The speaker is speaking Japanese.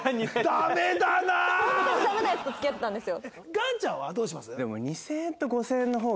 岩ちゃんはどうします？